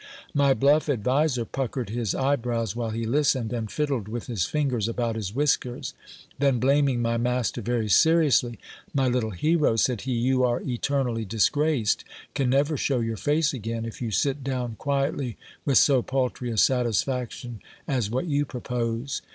My bluff adviser puckered his eyebrows while he listened, and fiddled with his fingers about his whiskers : then, blaming my master very seriously, My little hero, said he, you are eternally disgraced, can never shew your face again, if you sit down quietly with so paltry a satisfaction as what you propose.